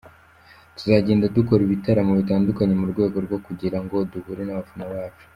Tuzagenda dukora ibitaramo bitandukanye mu rwego rwo kugira ngo duhure n'abafana bacu.